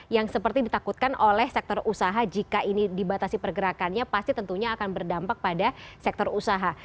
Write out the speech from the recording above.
yang seperti ditakutkan oleh sektor usaha jika ini dibatasi pergerakannya pasti tentunya akan berdampak pada sektor usaha